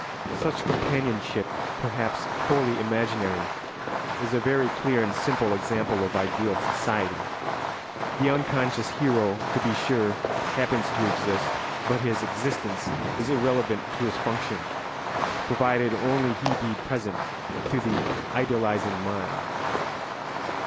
Such companionship, perhaps wholly imaginary, is a very clear and simple example of ideal society. The unconscious hero, to be sure, happens to exist, but his existence is irrelevant to his function, provided only he be present to the idealising mind.